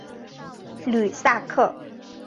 吕萨克。